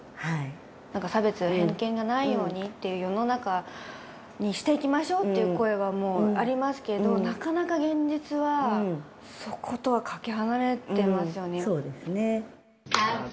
なんか差別や偏見がないようにっていう世の中にしていきましょうっていう声はもうありますけど、なかなか現実は、そうですね。